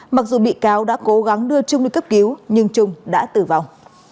mặc dù bị cáo đã cố gắng đưa trung đi cấp cứu nhưng trung đã tử vong